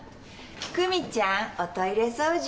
久実ちゃんおトイレ掃除。